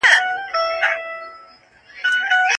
که فیسبوک سم وکاروو نو وخت نه ضایع کیږي.